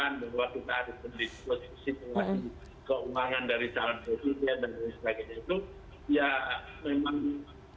dan kemudian dengan adanya aturan bahwa kita harus mendiskusisi pengurangan dari saluran covid sembilan belas dan sebagainya itu